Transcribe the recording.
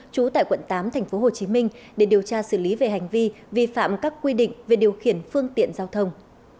trú tại quận tám tp hcm để điều tra xử lý về hành vi vi phạm các quy định về điều khiển phương tiện giao thông